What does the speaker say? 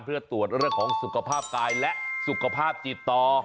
เพื่อตรวจเรื่องของสุขภาพกายและสุขภาพจิตต่อ